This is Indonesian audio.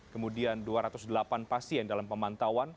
kemudian dua ratus delapan pasien dalam pemantauan